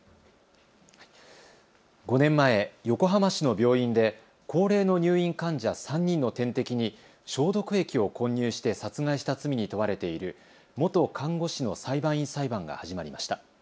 ５年前、横浜市の病院で高齢の入院患者３人の点滴に消毒液を混入して殺害した罪に問われている元看護師の裁判員裁判が始まりました。